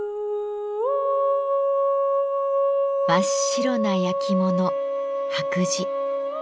真っ白な焼き物「白磁」。